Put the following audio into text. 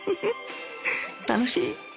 楽しい！